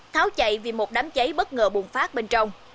tháo chạy vì một đám cháy bất ngờ bùng phát bên trong